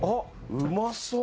うまそう！